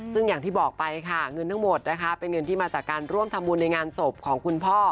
ซึ่งอย่างที่บอกไปค่ะเงินทั้งหมดนะคะเป็นเงินที่มาจากการร่วมทำบุญในงานศพของคุณพ่อ